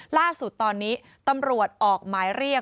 ล่าสุดตอนนี้ตำรวจออกหมายเรียก